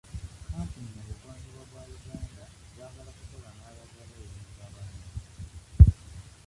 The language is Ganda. Kampuni mu buggwanjuba bwa Uganda zaagala kukola n'abagaba ebintu abalungi.